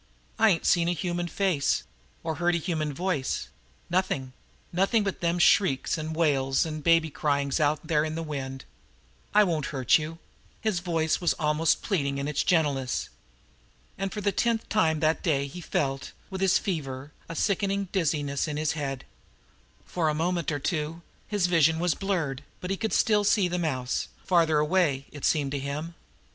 I ain't seen a human face, or heard a human voice nothing nothing but them shrieks 'n' wails 'n' baby cryings out there in the wind. I won't hurt you " His voice was almost pleading in its gentleness. And for the tenth time that day he felt, with his fever, a sickening dizziness in his head. For a moment or two his vision was blurred, but he could still see the mouse farther away, it seemed to him.